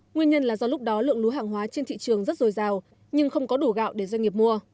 nguyên nhân là do lúc đó lượng lúa hàng hóa trên thị trường rất dồi dào nhưng không có đủ gạo để doanh nghiệp mua